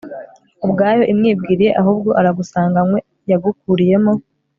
ubwayo imwibwiriye ahubwo aragusanganywe, yagukuriyemo